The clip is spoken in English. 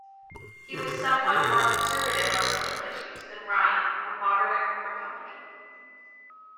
He was somewhat more conservative on social issues than Ryan, a moderate Republican.